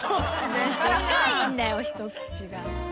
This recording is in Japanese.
でかいんだよ一口が。